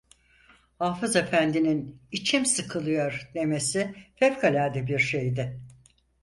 Hafız efendinin "İçim sıkılıyor!" demesi fevkalade bir şeydi.